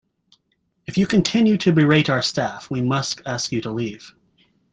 If you continue to berate our staff we must ask you to leave.